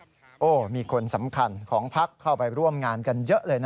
กรณีนี้ทางด้านของประธานกรกฎาได้ออกมาพูดแล้ว